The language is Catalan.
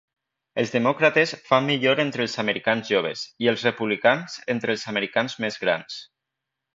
Els Demòcrates fan millor entre els americans joves i els Republicans entre els americans més grans.